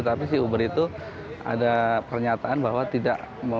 tapi si uber itu ada pernyataan bahwa tidak